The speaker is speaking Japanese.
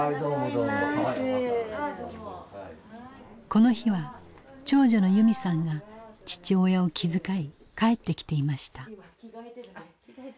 この日は長女の由美さんが父親を気遣い帰ってきていました。